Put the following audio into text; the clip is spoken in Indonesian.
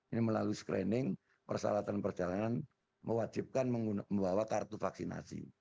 ini melalui screening persyaratan perjalanan mewajibkan membawa kartu vaksinasi